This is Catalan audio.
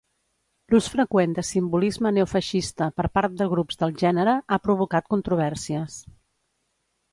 L'ús freqüent de simbolisme neofeixista per part de grups del gènere ha provocat controvèrsies.